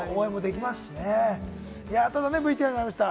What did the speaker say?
ただＶＴＲにもありました